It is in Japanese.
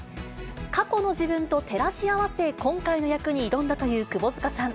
過去の自分と照らし合わせ、今回の役に挑んだという窪塚さん。